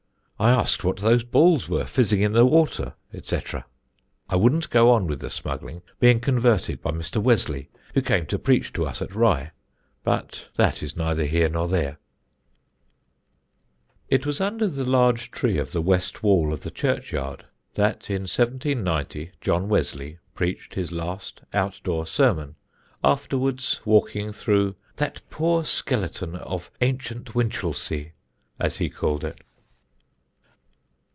I asked what those balls were fizzing in the water, etc. "I wouldn't go on with the smuggling; being converted by Mr. Wesley, who came to preach to us at Rye but that is neither here nor there...." [Illustration: The Ypres Tower, Rye.] [Sidenote: JOHN WESLEY] It was under the large tree of the west wall of the churchyard that in 1790 John Wesley preached his last outdoor sermon, afterwards walking through "that poor skeleton of ancient Winchelsea," as he called it.